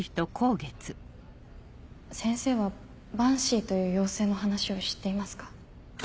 先生はバンシーという妖精の話を知っていますか？